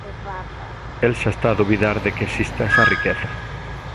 El xa está a dubidar de que exista esa riqueza.